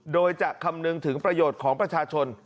โดยจะคำนึงถึงประโยชน์ของประชาชน